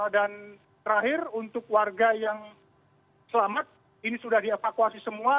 dan terakhir untuk warga yang selamat ini sudah dievakuasi semua